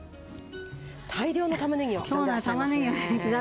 大量のたまねぎを刻んでらっしゃいますね。